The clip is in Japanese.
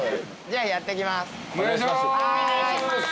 じゃあやっていきます。